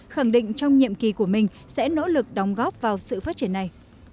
khẳng định trong nhiệm kỳ của mình sẽ nỗ lực đóng góp vào sự phát triển này